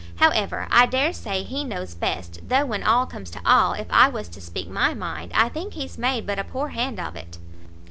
However, I dare say he knows best; though when all comes to all, if I was to speak my mind, I think he's made but a poor hand of it."